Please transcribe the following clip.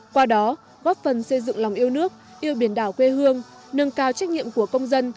qua đó góp phần xây dựng lòng yêu nước yêu biển đảo quê hương nâng cao trách nhiệm của công dân